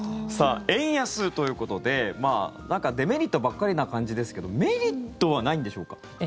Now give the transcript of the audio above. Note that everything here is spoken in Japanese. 円安ということでデメリットばっかりな感じですがメリットはないんでしょうか？